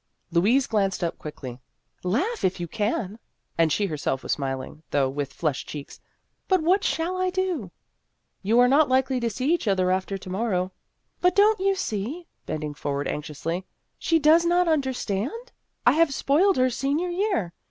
Louise glanced up quickly. " Laugh, if you can," and she herself was smiling, though with flushed cheeks, " but what shall I do?" " You are not likely to see each other after to morrow." " But don't you see," bending forward anxiously, " she does not understand ? I have spoiled her senior year.